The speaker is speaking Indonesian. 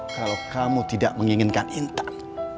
kalau kamu tidak menginginkan intan